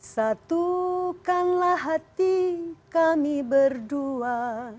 satukanlah hati kami berdua